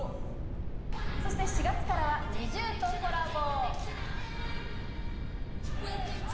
そして４月からはＮｉｚｉＵとコラボ。